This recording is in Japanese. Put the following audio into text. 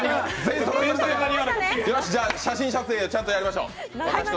写真撮影をちゃんとやりましょう。